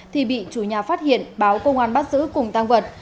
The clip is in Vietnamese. thì bị chủ nhà phát hiện báo công an bắt giữ cùng tăng vật